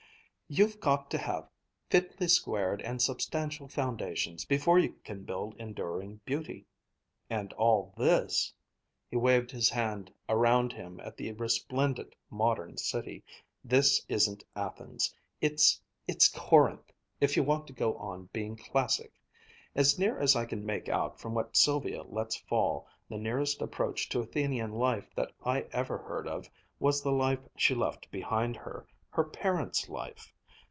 You've got to have fitly squared and substantial foundations before you can build enduring beauty. And all this," he waved his hand around him at the resplendent, modern city, "this isn't Athens; it's it's Corinth, if you want to go on being classic. As near as I can make out from what Sylvia lets fall, the nearest approach to Athenian life that I ever heard of, was the life she left behind her, her parents' life.